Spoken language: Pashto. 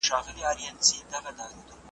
نه د کشر ورور په جېب کي درې غیرانه .